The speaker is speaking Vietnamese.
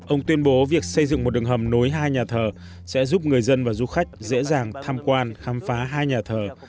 ông tuyên bố việc xây dựng một đường hầm nối hai nhà thờ sẽ giúp người dân và du khách dễ dàng tham quan khám phá hai nhà thờ